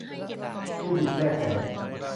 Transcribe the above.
ลูกบิดแช่แข็ง